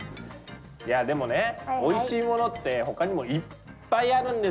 いやでもねおいしいものってほかにもいっぱいあるんですよ？